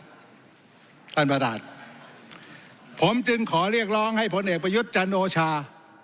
ท่านประธานผมจึงขอเรียกร้องให้ผลเอกประยุทธ์จันโอชา